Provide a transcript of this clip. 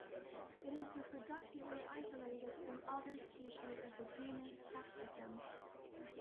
It is reproductively isolated from other species of the genus "Capsicum".